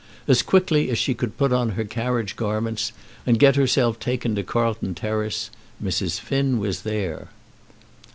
As quickly as she could put on her carriage garments and get herself taken to Carlton Terrace, Mrs. Finn was there.